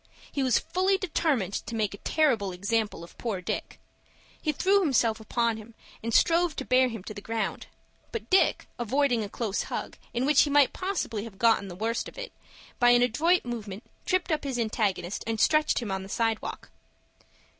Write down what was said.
He was fully determined to make a terrible example of poor Dick. He threw himself upon him, and strove to bear him to the ground; but Dick, avoiding a close hug, in which he might possibly have got the worst of it, by an adroit movement, tripped up his antagonist, and stretched him on the side walk.